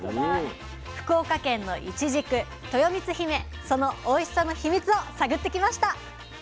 福岡県のいちじくとよみつひめそのおいしさのヒミツを探ってきました。